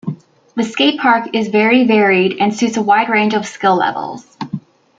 The skatepark is vary varied and suits a wide range of skill levels.